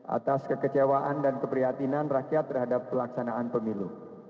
atas kekecewaan dan keprihatinan rakyat terhadap pelaksanaan pemilu